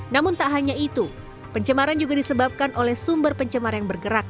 namun tak hanya itu pencemaran juga disebabkan oleh sumber pencemar yang bergerak